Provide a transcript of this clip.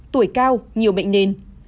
tuổi cao nhiều bệnh nền